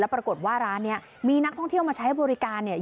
ปรากฏว่าร้านนี้มีนักท่องเที่ยวมาใช้บริการเนี่ย